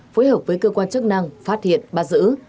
phối hợp với cơ quan chức năng phát hiện bắt giữ